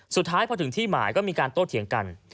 สุดท้ายพอถึงที่หมายก็มีการโต้เถียงกัน